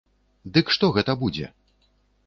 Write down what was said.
Дык што гэта будзе?